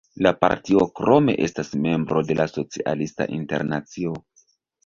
La partio krome estas membro de la Socialista Internacio.